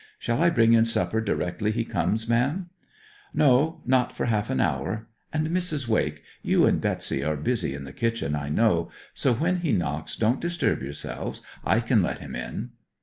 Shall I bring in supper directly he comes, ma'am?' 'No, not for half an hour; and, Mrs. Wake, you and Betsy are busy in the kitchen, I know; so when he knocks don't disturb yourselves; I can let him in.'